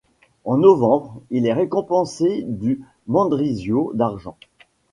En novembre, il est récompensé du Mendrisio d'argent.